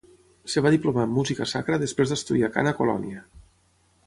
Es va diplomar en música sacra després d'estudiar cant a Colònia.